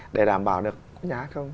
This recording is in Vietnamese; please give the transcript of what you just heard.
để đảm bảo được nhà hát không